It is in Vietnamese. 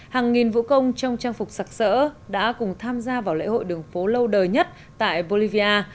hàng nghìn vũ công trong trang phục sạc sỡ đã cùng tham gia vào lễ hội đường phố lâu đời nhất tại bolivia